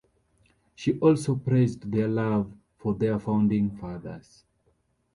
She also praised their love for their Founding Fathers.